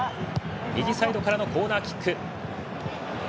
右サイドからのコーナーキック。